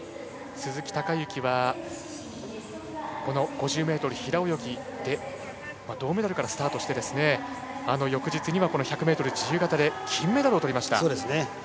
鈴木孝幸は５０ｍ平泳ぎの銅メダルからスタートして翌日には１００ｍ自由形で金メダルをとりました。